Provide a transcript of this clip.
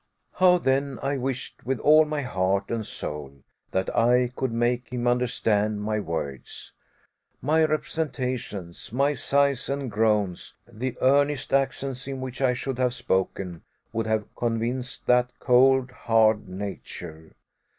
How then I wished with all my heart and soul that I could make him understand my words. My representations, my sighs and groans, the earnest accents in which I should have spoken would have convinced that cold, hard nature.